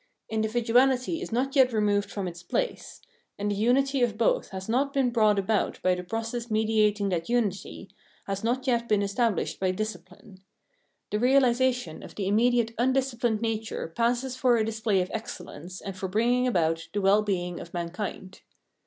Individuahty is not yet removed from its place ; and the unity of both has not been brought about by the process mediat ing that unity, has not yet been established by disci pline. The reahsation of the inxmediate undisciplined nature passes for a display of excellence and for bringing about the well being of mankind.